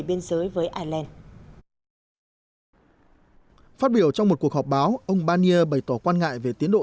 biên giới với ireland phát biểu trong một cuộc họp báo ông barnier bày tỏ quan ngại về tiến độ